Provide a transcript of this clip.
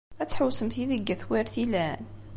Ad tḥewwsemt yid-i deg at Wertilen?